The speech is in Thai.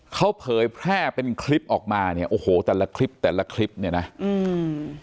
เขาเผยแพร่เป็นคลิปออกมาเนี้ยโอ้โหแต่ละคลิปแต่ละคลิปเนี้ยนะอืม